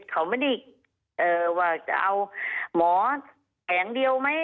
เขาไม่ได้ว่าจะเอาหมอแผงเดียวไหม